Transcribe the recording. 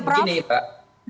itu bagian begini pak